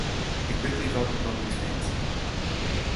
It quickly caught the public's fancy.